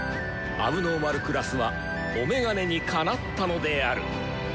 問題児クラスはお眼鏡にかなったのである！